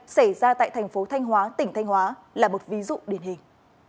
xảy ra tại thành phố thanh hóa tỉnh thanh hóa là một ví dụ điển hình